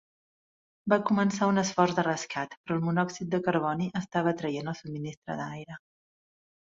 Va començar un esforç de rescat, però el monòxid de carboni estava traient el subministre d"aire.